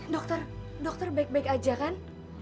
dokter dokter baik baik aja kan